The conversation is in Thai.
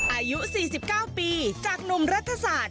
อายุ๔๙ปีจากหนุ่มรัฐศาสตร์